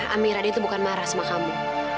amira dia tuh bukan marah sama kamu